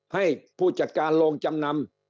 ให้ผู้จัดการโรงจำนำ